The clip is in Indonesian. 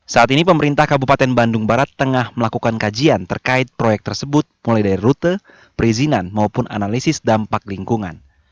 saat ini pemerintah kabupaten bandung barat tengah melakukan kajian terkait proyek tersebut mulai dari rute perizinan maupun analisis dampak lingkungan